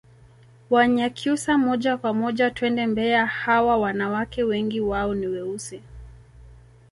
Wanyakyusa moja kwa moja twende mbeya hawa wanawake wengi wao ni weusi